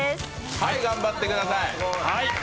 頑張ってください。